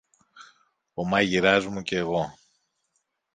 ο μάγειρας μου κι εγώ!